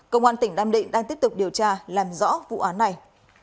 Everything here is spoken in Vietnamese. công an tỉnh nam định đang tiếp tục điều tra làm rõ vụ án này